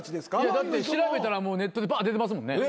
だって調べたらもうネットでバンッ出てますもんね。